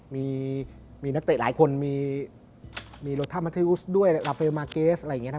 มีนักเตะหลายคนมีโลท่ามัติอุสด้วยลาเฟลมาร์เกสอะไรอย่างนี้นะครับ